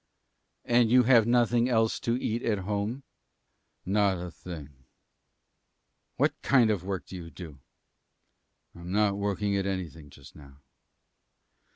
"And you have nothing else to eat at home?" "Not a thing." "What kind of work do you do?" "I am not working at anything just now."